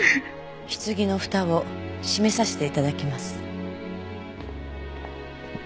棺のふたを閉めさせて頂きます。